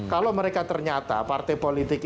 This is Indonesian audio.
kalau mereka ternyata partai politik